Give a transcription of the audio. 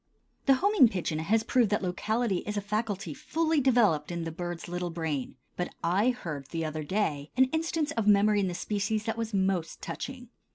The homing pigeon has proved that locality is a faculty fully developed in the bird's little brain, but I heard, the other day, an instance of memory in the species that was most touching.